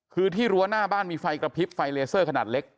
คือที่รั้วหน้าบ้านมีไฟกระพริบไฟเลเซอร์ขนาดเล็ก